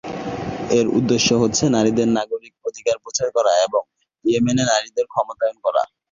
এর উদ্দেশ্য হচ্ছে নারীদের নাগরিক অধিকার প্রচার করা এবং ইয়েমেনে নারীদের ক্ষমতায়ন করা।